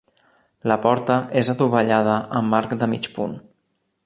La porta és adovellada amb arc de mig punt.